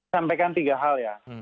sampaikan tiga hal ya